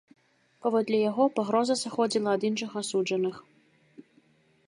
Паводле яго, пагроза сыходзіла ад іншых асуджаных.